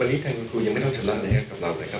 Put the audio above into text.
วันนี้ทางคุณครูยังไม่ต้องชำระนะครับกับเรานะครับ